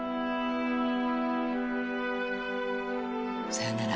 さよなら